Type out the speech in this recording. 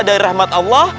dari rahmat allah